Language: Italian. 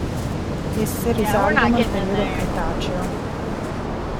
Esse risalgono al periodo Cretaceo.